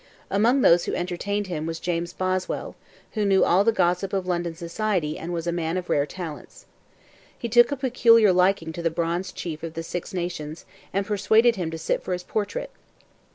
Among those who entertained him was James Boswell, who knew all the gossip of London society and was a man of rare talents. He took a peculiar liking to the bronzed chief of the Six Nations and persuaded him to sit for his portrait.